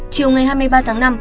chiều ngày hai mươi ba tháng năm